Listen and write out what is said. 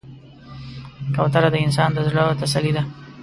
کوتره د انسان د زړه تسلي ده.